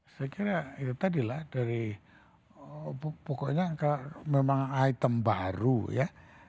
saya kira itu tadilah dari pokoknya memang item baru ya